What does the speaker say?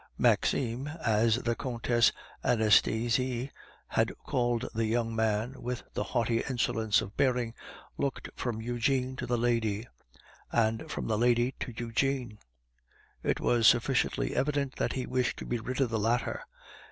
Maxime, as the Countess Anastasie had called the young man with the haughty insolence of bearing, looked from Eugene to the lady, and from the lady to Eugene; it was sufficiently evident that he wished to be rid of the latter.